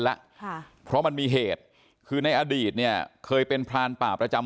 แล้วค่ะเพราะมันมีเหตุคือในอดีตเนี่ยเคยเป็นพรานป่าประจำ